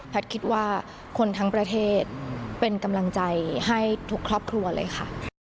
คิดว่าคนทั้งประเทศเป็นกำลังใจให้ทุกครอบครัวเลยค่ะ